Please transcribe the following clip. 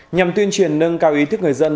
nhằm tuyên truyền nâng cao ý thức người dân